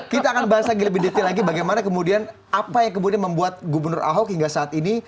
kita akan bahas lagi lebih detail lagi bagaimana kemudian apa yang kemudian membuat gubernur ahok hingga saat ini